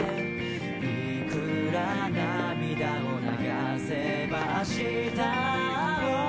いくら涙を流せばあしたを